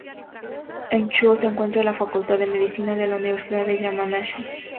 En Chūō se encuentra la Facultad de medicina de la Universidad de Yamanashi.